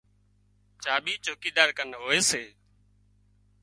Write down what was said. چاٻي چوڪيدار ڪن هوئي سي